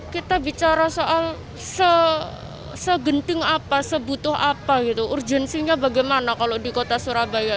kita bicara soal segenting apa sebut apa gitu urgensinya bagaimana kalau di kota surabaya